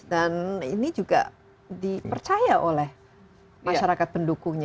dan ini juga dipercaya oleh masyarakat pendukungnya